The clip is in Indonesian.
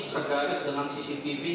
segaris dengan cctv